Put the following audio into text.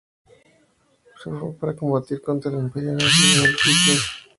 Se formó para combatir contra el imperio nazi de Adolf Hitler.